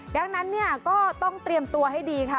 ดังนั้นเนี่ยก็ต้องเตรียมตัวให้ดีค่ะ